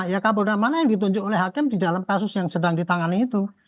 ya kapolda mana yang ditunjuk oleh hakim di dalam kasus yang sedang ditangani itu